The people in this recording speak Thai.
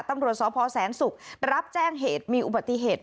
ตำรวจสพแสนศุกร์รับแจ้งเหตุมีอุบัติเหตุ